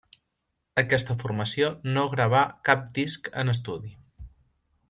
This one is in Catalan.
Aquesta formació no gravà cap disc en estudi.